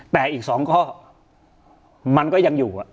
แต่อีก๒ข้อมันก็ยังอยู่